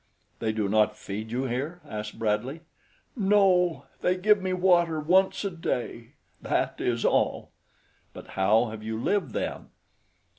"They do not feed you here?" asked Bradley. "No, they give me water once a day that is all." "But how have you lived, then?"